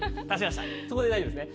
そこで大丈夫ですね？